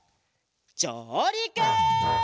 じょうりく！